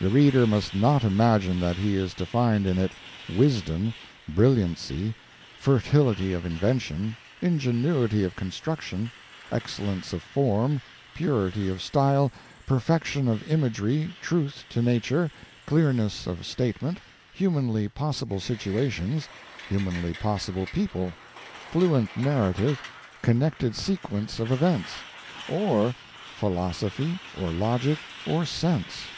The reader must not imagine that he is to find in it wisdom, brilliancy, fertility of invention, ingenuity of construction, excellence of form, purity of style, perfection of imagery, truth to nature, clearness of statement, humanly possible situations, humanly possible people, fluent narrative, connected sequence of events or philosophy, or logic, or sense.